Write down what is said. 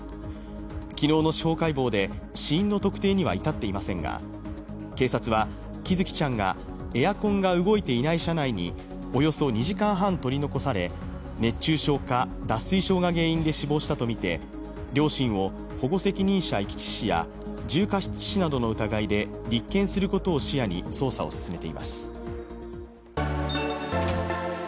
昨日の司法解剖で死因の特定には至っていませんが、警察は、喜寿生ちゃんがエアコンが動いていない車内におよそ２時間半取り残され、熱中症か脱水症が原因で死亡したとみて両親を保護責任者遺棄致死や重過失致死などの疑いで立件することを視野に捜査を進めています。